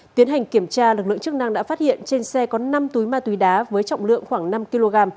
tiến hành kiểm tra lực lượng chức năng đã phát hiện trên xe có năm túi ma túy đá với trọng lượng khoảng năm kg